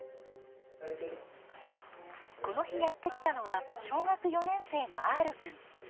この日やって来たのは小学４年生のＲくん。